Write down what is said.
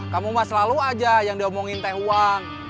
kamu mah selalu aja yang diomongin teh uang